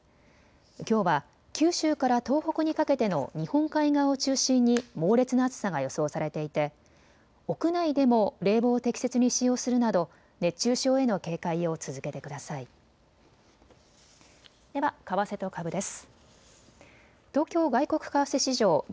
きょうは九州から東北にかけての日本海側を中心に猛烈な暑さが予想されていて屋内でも冷房を適切に使用するなど熱中症への警戒を続けてください。では為替と株です。